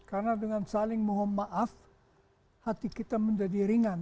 karena dengan saling mohon maaf hati kita menjadi ringan